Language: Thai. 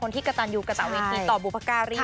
เป็นคนที่กระตันยูกระต่าวิธีต่อบุพการี